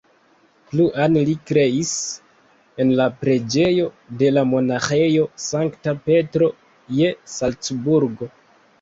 Pluan li kreis en la preĝejo de la monaĥejo Sankta Petro je Salcburgo.